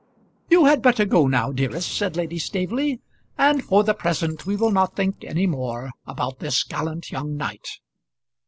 "You had better go now, dearest," said Lady Staveley, "and for the present we will not think any more about this gallant young knight."